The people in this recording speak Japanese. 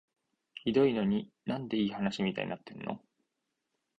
ひどいのに、なんでいい話みたいになってんの？